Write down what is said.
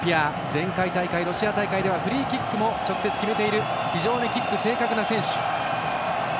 前回大会ロシア大会ではフリーキックも直接決めているキックが正確な選手。